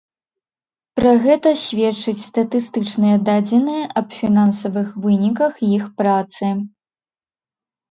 Пра гэта сведчаць статыстычныя дадзеныя аб фінансавых выніках іх працы.